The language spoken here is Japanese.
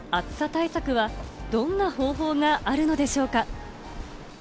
対策はどんな方法があるのでしょうか？